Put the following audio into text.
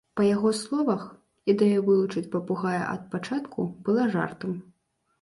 Па яго словах, ідэя вылучыць папугая ад пачатку была жартам.